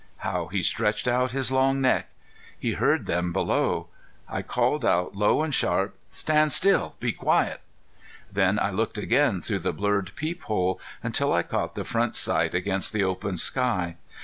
How he stretched out his long neck! He heard them below. I called out low and sharp: "Stand still! Be quiet!" Then I looked again through the blurred peep sight until I caught the front sight against the open sky.